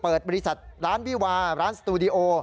บริษัทร้านวิวาร้านสตูดิโอ